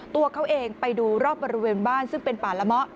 ตัวเขาเองไปดูรอบบริเวณบ้านซึ่งเป็นป่าละเมาะ